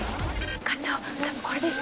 課長多分これです。